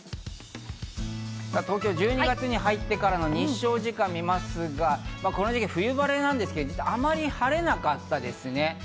東京は１２月に入ってからの日照時間を見ますが、この時期、冬晴れなんですが、あまり晴れなかったですね。